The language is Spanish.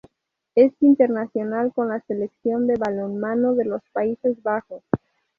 Es internacional con la Selección de balonmano de los Países Bajos.